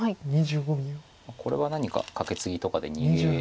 これは何かカケツギとかで逃げ。